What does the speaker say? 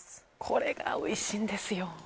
これがおいしいんですよ